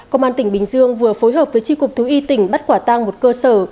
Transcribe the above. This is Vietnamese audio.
công an tỉnh bình dương vừa phối hợp với tri cục thú y tỉnh bắt quả tăng một cơ sở